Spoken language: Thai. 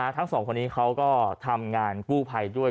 ทั้งสองคนนี้เขาก็ทำงานกู้ภัยด้วย